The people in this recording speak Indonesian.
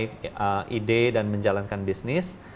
baru mulai ide dan menjalankan bisnis